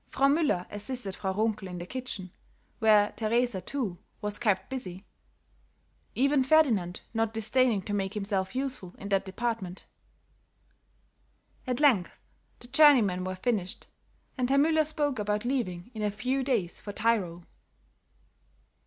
Frau Müller assisted Frau Runkel in the kitchen, where Teresa, too, was kept busy; even Ferdinand not disdaining to make himself useful in that department. At length the journeymen were finished, and Herr Müller spoke about leaving in a few days for Tyrol.